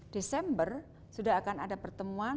desember sudah akan ada pertemuan